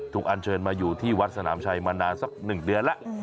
อันเชิญมาอยู่ที่วัดสนามชัยมานานสัก๑เดือนแล้ว